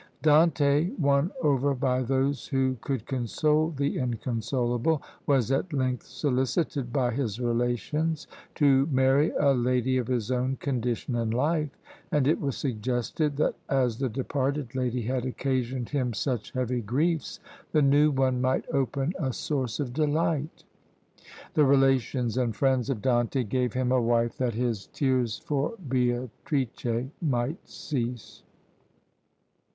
Dante, won over by those who could console the inconsolable, was at length solicited by his relations to marry a lady of his own condition in life; and it was suggested that as the departed lady had occasioned him such heavy griefs, the new one might open a source of delight. The relations and friends of Dante gave him a wife that his tears for Beatrice might cease.